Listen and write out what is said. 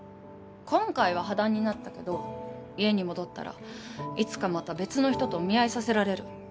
今回は破談になったけど家に戻ったらいつかまた別の人とお見合いさせられる。